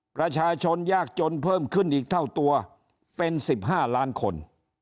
ประชาชนยากจนเพิ่มขึ้นอีกเท่าตัวเป็น๑๕ล้านคน